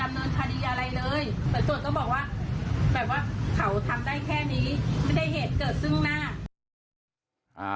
ก็บอกว่าแบบว่าเขาทำได้แค่นี้ไม่ได้เหตุเกิดซึ่งหน้า